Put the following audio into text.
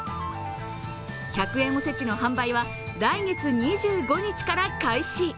１００円おせちの販売は来月２５日から開始。